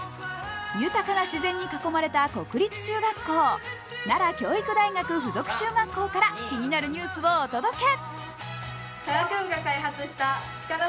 豊かな自然に囲まれた国立中学校、奈良教育大学附属中学校から気になるニュースをお届け。